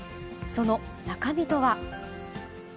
その中身とは。